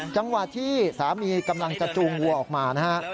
จังหวะที่สามีกำลังจะจูงวัวออกมานะฮะ